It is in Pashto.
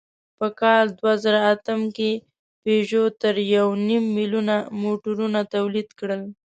په کال دوهزرهاتم کې پيژو تر یونیم میلیونه موټرونه تولید کړل.